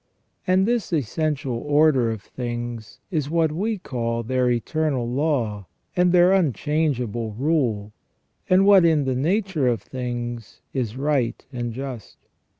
And this essential order of things is what we call their eternal law, and their unchangeable rule, and what, in the nature of things, is right and just.